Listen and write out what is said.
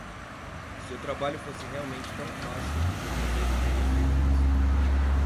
Se o trabalho fosse realmente tão fácil, o prefeito teria feito isso.